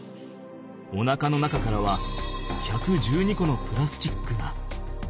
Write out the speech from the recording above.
おなかの中からは１１２個のプラスチックが。